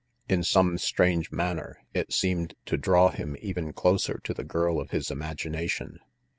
In some strange manner it seemed to draw him even closer to the girl of his imagination.